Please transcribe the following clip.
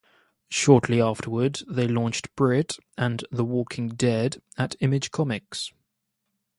Shortly afterward, they launched "Brit "and "The Walking Dead" at Image Comics.